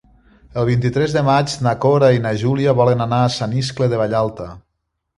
El vint-i-tres de maig na Cora i na Júlia volen anar a Sant Iscle de Vallalta.